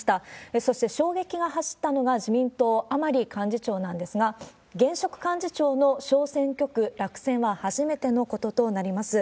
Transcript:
そして衝撃が走ったのが自民党、甘利幹事長なんですが、現職幹事長の小選挙区落選は初めてのこととなります。